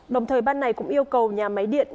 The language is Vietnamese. đồng thời ban này cũng yêu cầu nhà máy điện